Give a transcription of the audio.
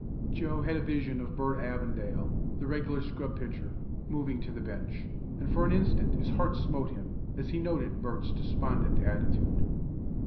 Joe had a vision of Bert Avondale, the regular scrub pitcher, moving to the bench, and for an instant his heart smote him, as he noted Bert's despondent attitude.